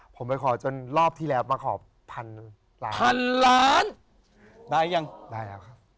ผมไปขอจนรอบที่แล้วมาขอพันล้านพันล้านได้ยังได้แล้วครับ